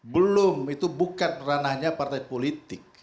belum itu bukan ranahnya partai politik